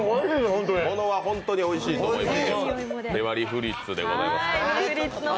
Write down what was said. ものはホントにおいしいと思います。